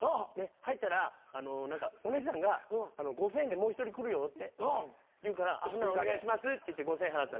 入ったらお姉さんが５，０００円でもう一人来るよって言うからお願いしますって言って５，０００円払った。